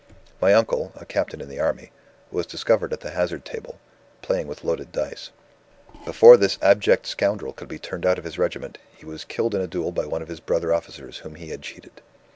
"My uncle (a captain in the Army) was discovered at the hazard table, playing with loaded dice. Before this abject scoundrel could be turned out of his regiment, he was killed in a duel by one of his brother officers whom he had cheated.